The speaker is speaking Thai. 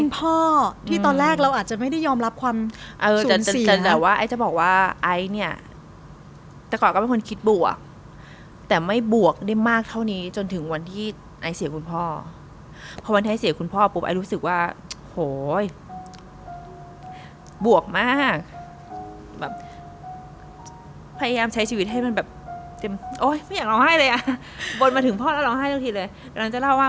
พ่อที่ตอนแรกเราอาจจะไม่ได้ยอมรับความสูญเสียแต่ว่าไอ้จะบอกว่าไอซ์เนี่ยแต่ก่อนก็เป็นคนคิดบวกแต่ไม่บวกได้มากเท่านี้จนถึงวันที่ไอเสียคุณพ่อพอวันไอซ์เสียคุณพ่อปุ๊บไอซ์รู้สึกว่าโหยบวกมากแบบพยายามใช้ชีวิตให้มันแบบเต็มโอ๊ยไม่อยากร้องไห้เลยอ่ะบนมาถึงพ่อแล้วร้องไห้ทั้งทีเลยวันนั้นจะเล่าว่า